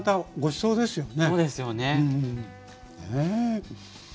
そうですね。